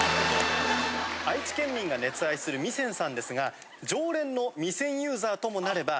愛知県民が熱愛する味仙さんですが常連の味仙ユーザーともなれば。